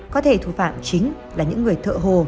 có thể thủ phạm chính là những người thợ hồ